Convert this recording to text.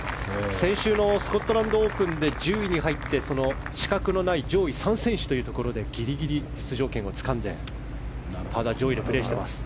先週のスコットランドオープンで１０位に入って、資格のない上位３選手というところでギリギリで出場権をつかんでまだ上位でプレーしています。